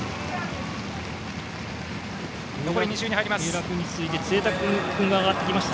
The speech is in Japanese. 三浦君に次いで潰滝君が上がってきましたね。